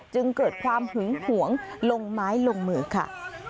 จึงเกิดความหึงหวงลงไม้ลงมือค่ะ